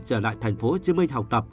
trở lại tp hcm học tập